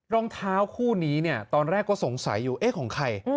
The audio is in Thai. รองเท้าคู่นี้เนี่ยตอนแรกก็สงสัยอยู่เอ๊ะของใคร